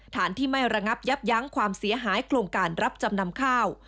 ที่ไม่ระงับยับยั้งความเสียหายโครงการรับจำนำข้าว